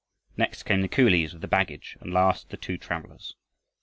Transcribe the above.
Next came the coolies with the baggage, and last the two travelers.